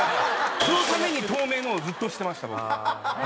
そのために透明のをずっとしてました僕。